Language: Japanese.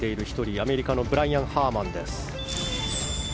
アメリカのブライアン・ハーマンです。